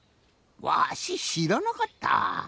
わししらなかったぁ。